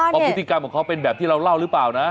ว่าพฤติกรรมของเขาเป็นแบบที่เราเล่าหรือเปล่านะ